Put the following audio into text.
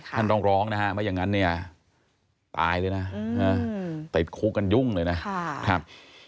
ท่านต้องร้องนะฮะไม่อย่างนั้นตายเลยนะติดคลุกกันยุ่งเลยนะ